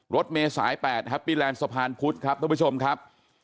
รถเมย์สายแปดฮัปปี้แลนด์สะพานพุทธครับทุกผู้ชมครับ